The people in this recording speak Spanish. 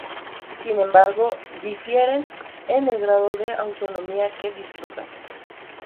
Sin embargo, difieren en el grado de autonomía que disfrutan.